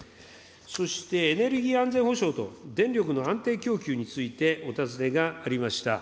そして、エネルギー安全保障と電力の安定供給についてお尋ねがありました。